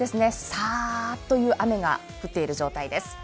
さーっという雨が降っている状態です。